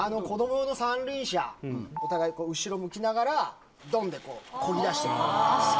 子どもの三輪車、お互い後ろ向きながら、どんでこぎだしてもらう。